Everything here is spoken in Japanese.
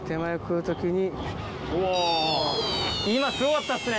うお今すごかったっすね。